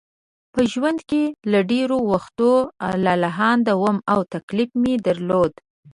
په ژوند کې له ډېر وخته لالهانده وم او تکلیف مې درلود.